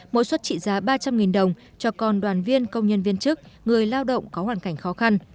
mỗi suất trị giá ba trăm linh đồng cho con đoàn viên công nhân viên chức người lao động có hoàn cảnh khó khăn